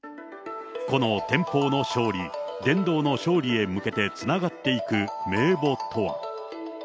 このてんぽうの勝利、伝道の勝利へ向けてつながっていく名簿とは。